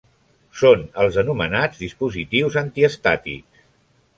Són els anomenats, dispositius antiestàtics.